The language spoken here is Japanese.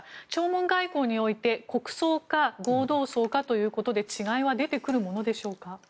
弔問外交において国葬か合同葬かということで違いは出てくるものでしょうか？